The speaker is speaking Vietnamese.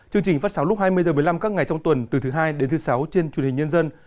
chương trình phát sóng lúc hai mươi h một mươi năm các ngày trong tuần từ thứ hai đến thứ sáu trên truyền hình nhân dân